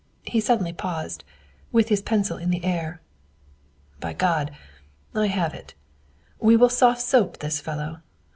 He suddenly paused, with his pencil in the air. "By God! I have it! We will soft soap this fellow.